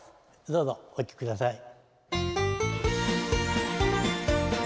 どうぞお聴き下さい。